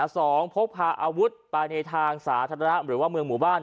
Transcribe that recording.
สองพบหาอาวุธปราณีทางสาธาระหรือว่าเมืองหมู่บ้าน